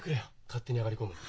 勝手に上がり込むの。